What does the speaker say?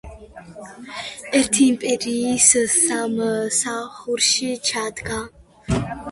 ერთი იმპერიის სამსახურში ჩადგა.